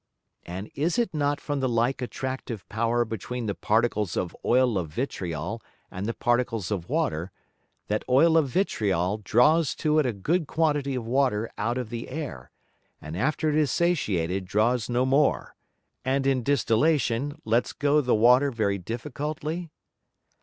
And is it not from the like attractive Power between the Particles of Oil of Vitriol and the Particles of Water, that Oil of Vitriol draws to it a good quantity of Water out of the Air, and after it is satiated draws no more, and in Distillation lets go the Water very difficultly?